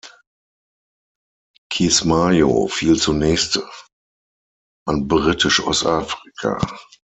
Kismaayo fiel zunächst an Britisch-Ostafrika.